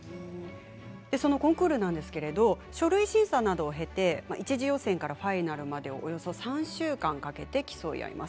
そのコンクールですが書類審査などを経て、一次予選からファイナルまでを、おそよ３週間かけて競い合います。